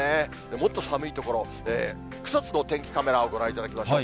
もっと寒い所、草津のお天気カメラをご覧いただきましょう。